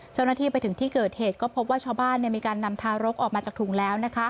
เจ้าหน้าที่ไปถึงที่เกิดเหตุก็พบว่าชาวบ้านมีการนำทารกออกมาจากถุงแล้ว